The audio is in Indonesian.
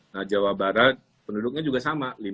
nah jawa barat penduduknya juga sama